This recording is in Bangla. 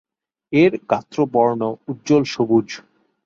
এর গাত্রবর্ণ উজ্জ্বল সবুজ।